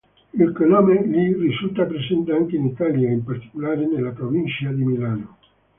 Il cognome Lee risulta presente anche in Italia, in particolare nella provincia di Milano.